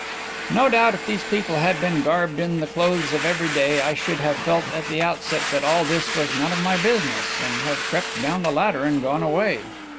No doubt, if these people had been garbed in the clothes of every day, I should have felt at the outset that all this was none of my business, and have crept down the ladder and gone away.